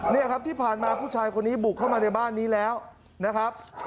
นี่ครับที่ผ่านมาผู้ชายคนนี้บุกเข้ามาในบ้านนี้แล้วนะครับ